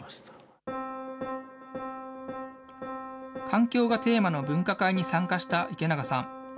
環境がテーマの分科会に参加した池永さん。